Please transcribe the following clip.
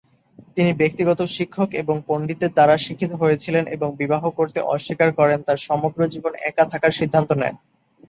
তিনি ব্যক্তিগত শিক্ষক এবং পণ্ডিতদের দ্বারা শিক্ষিত হয়েছিলেন, এবং বিবাহ করতে অস্বীকার করেন, তার সমগ্র জীবন একা থাকার সিদ্ধান্ত নেন।